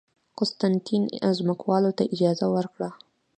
قسطنطین ځمکوالو ته اجازه ورکړه